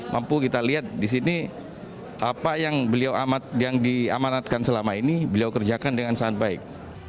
mampu kita lihat di sini apa yang beliau amat yang diamanatkan selama ini beliau kerjakan dengan sangat baik